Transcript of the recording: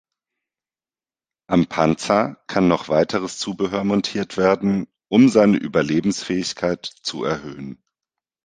Am Panzer kann noch weiteres Zubehör montiert werden, um seine Überlebensfähigkeit zu erhöhen.